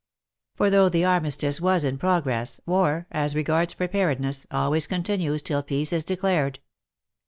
For though the armistice was in pro gress, war — as regards preparedness — always continues till peace is declared.